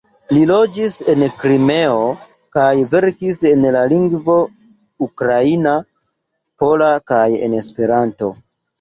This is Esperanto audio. Li loĝis en Krimeo, kaj verkis en la lingvoj ukraina, pola kaj en Esperanto.